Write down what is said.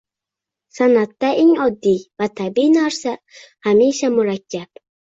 San’atda eng oddiy va tabiiy narsa hamisha murakkab.